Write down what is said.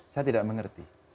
saya tidak mengerti